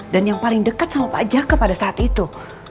dan yang paling dekat sama pak jaka pada saat itu